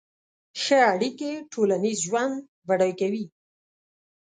ښه اړیکې ټولنیز ژوند بډای کوي.